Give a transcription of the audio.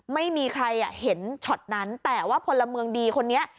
ไม่มีใครเห็นช็อตนั้นแต่ว่าพลเมืองดีคนนี้